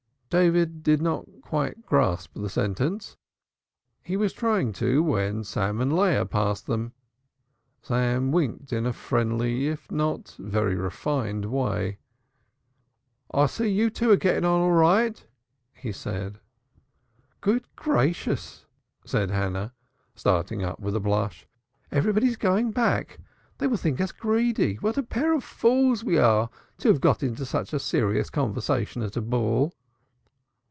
David did not quite grasp the sentence; he was trying to, when Sam and Leah passed them. Sam winked in a friendly if not very refined manner. "I see you two are getting on all right." he said. "Good gracious!" said Hannah, starting up with a blush. "Everybody's going back. They will think us greedy. What a pair of fools we are to have got into such serious conversation at a ball."